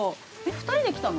２人で来たの？